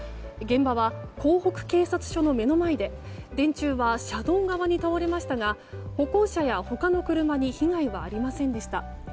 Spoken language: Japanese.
現場は港北警察署の目の前で電柱は車道側に倒れましたが歩行者や他の車に被害はありませんでした。